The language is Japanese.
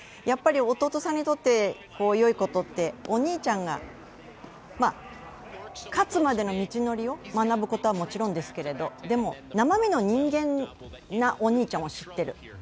やっぱり弟さんにとってよいことって、お兄ちゃんが、勝つまでの道のりを学ぶことはもちろんですけど、でも、生身の人間なお兄ちゃんを知っている。